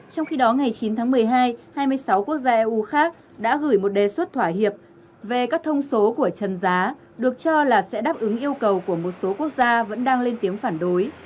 trong khi đó ngày chín tháng một mươi hai hai mươi sáu quốc gia eu khác đã gửi một đề xuất thỏa hiệp về các thông số của trần giá được cho là sẽ đáp ứng yêu cầu của một số quốc gia vẫn đang lên tiếng phản đối